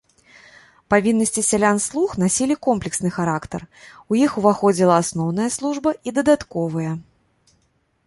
Павіннасці сялян-слуг насілі комплексны характар, у іх уваходзіла асноўная служба і дадатковыя.